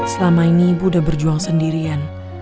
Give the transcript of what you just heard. selama ini ibu udah berjuang sendirian